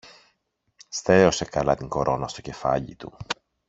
Στερέωσε καλά την κορώνα στο κεφάλι του